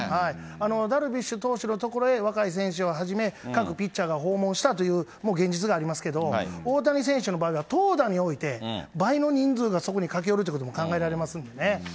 ダルビッシュ投手のところへ若い選手をはじめ、各ピッチャーが訪問したという現実もありますけど、大谷選手の場合は投打において、倍の人数がそこに駆け寄るってことも考えられますんでね。